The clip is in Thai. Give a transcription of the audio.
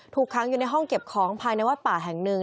ค้างอยู่ในห้องเก็บของภายในวัดป่าแห่งหนึ่ง